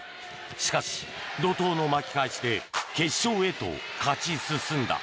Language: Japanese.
しかし、怒とうの巻き返しで決勝へと勝ち進んだ。